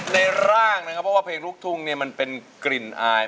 ร่างนะครับเพราะว่าเพลงลูกทุ่งเนี่ยมันเป็นกลิ่นอาย